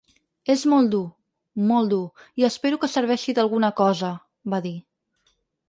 És molt dur, molt dur, i espero que serveixi d’alguna cosa, va dir.